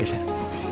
kesya sama oma